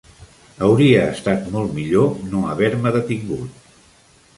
Hauria estat molt millor no haver-me detingut.